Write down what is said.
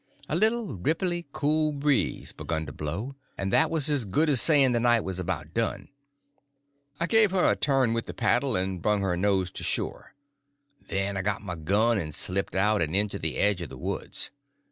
A little ripply, cool breeze begun to blow, and that was as good as saying the night was about done. I give her a turn with the paddle and brung her nose to shore; then I got my gun and slipped out and into the edge of the woods.